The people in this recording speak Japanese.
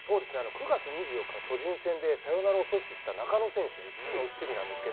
９月２４日の巨人戦でサヨナラを阻止した中野選手の守備なんですよ。